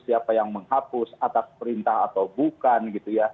siapa yang menghapus atas perintah atau bukan gitu ya